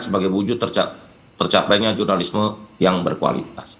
sebagai wujud tercapainya jurnalisme yang berkualitas